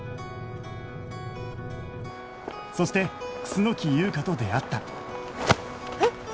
そして楠木優香と出会ったえっ！？